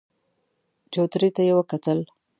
چوترې ته يې وکتل.